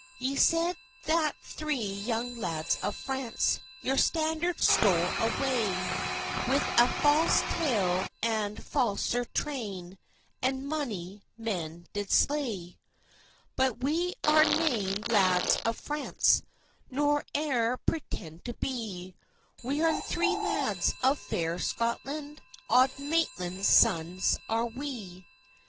"Ye said that three young lads of France Your standard stole away, With a fause tale and fauser trayne, And mony men did slay; "But we are nane the lads of France, Nor e'er pretend to be: We are three lads of fair Scotland,— Auld Maitland's sons are we.